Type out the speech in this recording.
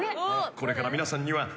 これから皆さんには。うわ。何？